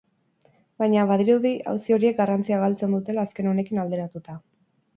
Baina, badirudi, auzi horiek garrantzia galtzen dutela azken honekin alderatuta.